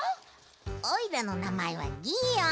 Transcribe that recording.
おいらのなまえはギーオン。